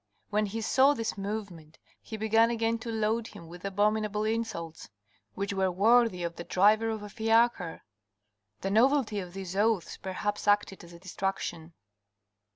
When he saw this movement, he began again to load him with abominable insults, which were worthy of the driver of a fiacre. The novelty of these oaths perhaps acted as a distraction.